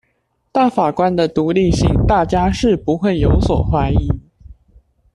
大法官的獨立性大家是不會有所懷疑